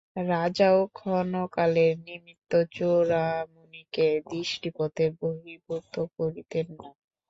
রাজাও ক্ষণ কালের নিমিত্ত চূড়ামণিকে দৃষ্টিপথের বহির্ভূত করিতেন না।